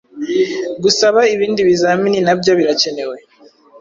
gusaba ibindi bizamini nabyo birakenewe